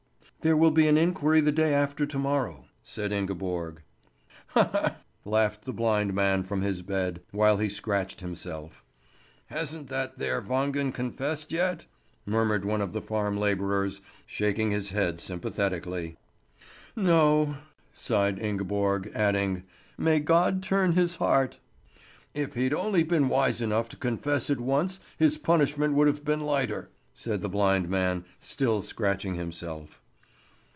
"There will be an inquiry the day after to morrow," said Ingeborg. "Ha, ha!" laughed the blind man from his bed, while he scratched himself. "Hasn't that there Wangen confessed yet?" murmured one of the farm labourers, shaking his head sympathetically. "No!" sighed Ingeborg, adding: "May God turn his heart!" "If he'd only been wise enough to confess at once his punishment would have been lighter," said the blind man, still scratching himself.